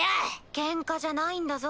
ケンカじゃないんだぞ。